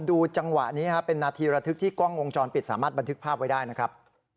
ดูจังหวะนี้นะครับเป็นนาทีระทึกที่กล้องวงจรปิดสามารถบันทึกภาพไว้ได้นะครับ